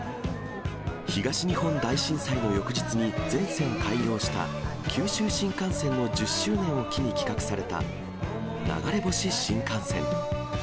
東日本大震災の翌日に全線開業した、九州新幹線の１０周年を機に企画された、流れ星新幹線。